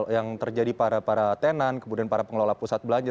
yang terjadi para tenan kemudian para pengelola pusat belanja